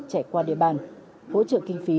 trẻ qua địa bàn hỗ trợ kinh phí